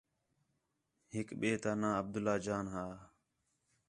ہِک ٻئے تا ناں عبداللہ جان ہا